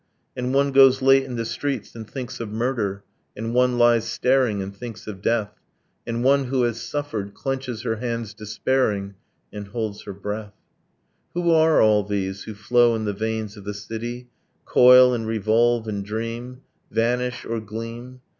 And one goes late in the streets, and thinks of murder; And one lies staring, and thinks of death. And one, who has suffered, clenches her hands despairing, And holds her breath ... Who are all these, who flow in the veins of the city, Coil and revolve and dream, Vanish or gleam?